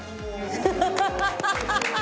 ハハハハ！